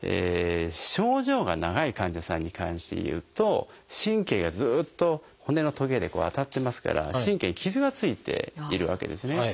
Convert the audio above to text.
症状が長い患者さんに関して言うと神経がずっと骨のトゲで当たってますから神経に傷がついているわけですね。